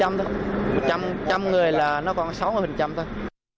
một trăm người là nó còn sáu mươi thôi